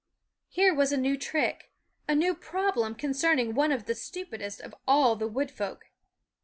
Here was a new trick, a new problem con cerning one of the stupidest of all the wood folk.